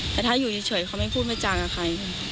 แต่ถ้าอยู่เฉยเขาไม่พูดไม่จากกับใคร